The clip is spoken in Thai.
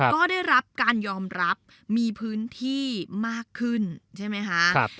ก็ได้รับการยอมรับมีพื้นที่มากขึ้นใช่ไหมคะ